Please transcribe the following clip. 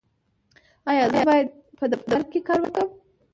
ایا زه باید په دفتر کې کار وکړم؟